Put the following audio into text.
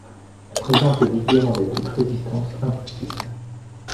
La présence de Lydie rendait toute résistance impossible.